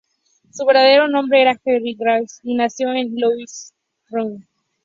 Su verdadero nombre era Henry Watterson Hull y nació en Louisville, Kentucky.